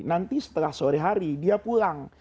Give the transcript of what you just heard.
nanti setelah sore hari dia pulang